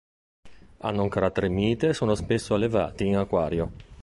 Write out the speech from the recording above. Hanno un carattere mite e sono spesso allevati in acquario.